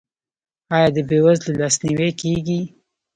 آیا د بې وزلو لاسنیوی کیږي؟